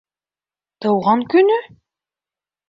Тыуған көнө?